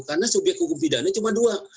karena subyek hukum pidana cuma dua